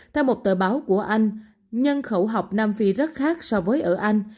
theo một tờ báo của anh nhân khẩu học nam phi rất khác so với ở anh